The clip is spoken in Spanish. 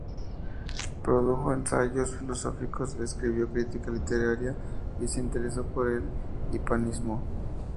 Produjo ensayos filosóficos, escribió crítica literaria y se interesó por el hispanismo.